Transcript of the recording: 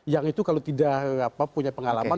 yang itu kalau tidak punya pengalaman